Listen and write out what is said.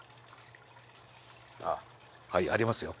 ああはいありますよ。